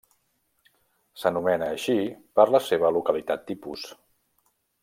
S’anomena així per la seva localitat tipus.